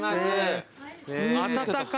温かい。